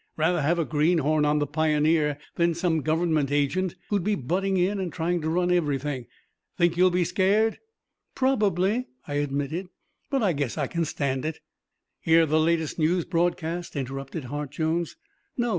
"Rather have a greenhorn on the Pioneer than some government agent, who'd be butting in and trying to run everything. Think you'll be scared?" "Probably," I admitted; "but I guess I can stand it." "Hear the latest news broadcast?" interrupted Hart Jones. "No.